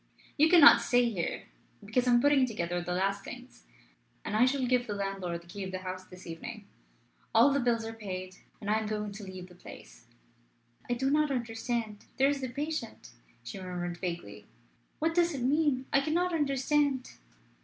You cannot stay here, because I am putting together the last things, and I shall give the landlord the key of the house this evening. All the bills are paid, and I am going to leave the place." "I do not understand. There is the patient," she murmured vaguely. "What does it mean? I cannot understand."